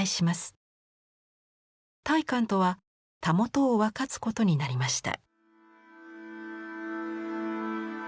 大観とはたもとを分かつことになりました。